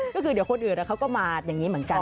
ก็คือเดี๋ยวคนอื่นเขาก็มาอย่างนี้เหมือนกัน